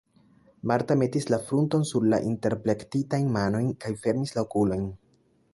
Marta metis la frunton sur la interplektitajn manojn kaj fermis la okulojn.